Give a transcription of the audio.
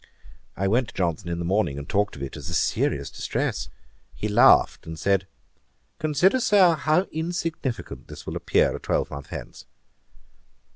I went to Johnson in the morning, and talked of it as a serious distress. He laughed, and said, 'Consider, Sir, how insignificant this will appear a twelvemonth hence.'